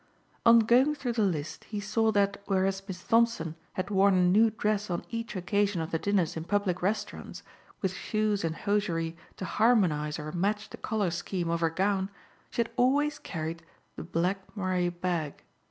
On going through the list he saw that whereas Miss Thompson had worn a new dress on each occasion of the dinners in public restaurants with shoes and hosiery to harmonize or match the color scheme of her gown she had always carried the black moiré bag.